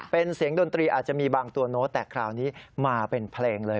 เป็นเสียงดนตรีอาจจะมีบางตัวโน้ตแต่คราวนี้มาเป็นเพลงเลย